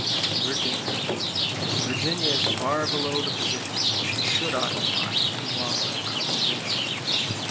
Virginia: Virginia is far below the position that she should occupy in wild life conservation.